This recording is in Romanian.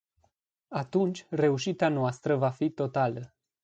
Atunci, reușita noastră va fi totală.